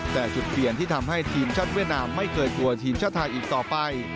แต่จุดเปลี่ยนที่ทำให้ทีมชาติเวียดนามไม่เคยกลัวทีมชาติไทยอีกต่อไป